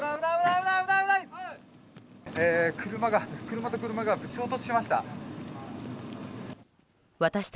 車と車が衝突しました。